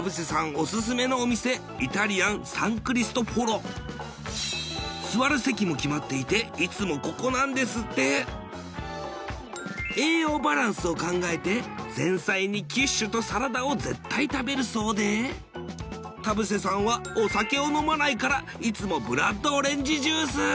オススメのお店イタリアンサン・クリストフォロ座る席も決まっていていつもここなんですって栄養バランスを考えて前菜にキッシュとサラダを絶対食べるそうで田臥さんはお酒を飲まないからいつもブラッドオレンジジュース